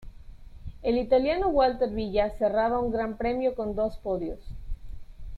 El italiano Walter Villa cerraba un Gran Premio con dos podios.